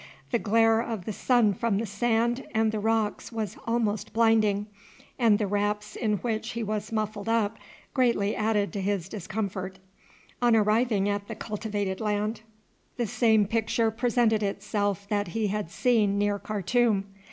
The glare of the sun from the sand and the rocks was almost blinding, and the wraps in which he was muffled up greatly added to his discomfort. On arriving at the cultivated land the same picture presented itself that he had seen near Khartoum.